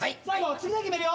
次で決めるよ。